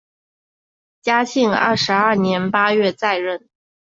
嘉庆二十二年八月再任。